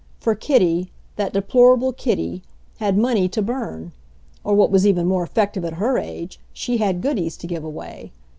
For Kitty that deplorable Kitty had money to burn; or what was even more effective at her age, she had goodies to give away.